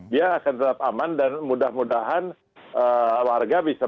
dia akan tetap berada di dalam keadaan